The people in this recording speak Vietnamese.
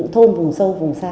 thôn vùng sâu vùng xa